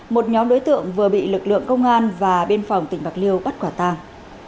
một nhóm đối tượng vừa bị lực lượng công an và bên phòng tỉnh bạc liêu bắt quả tang